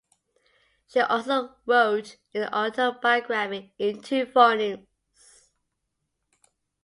She also wrote an autobiography in two volumes.